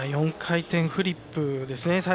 ４回転フリップですね。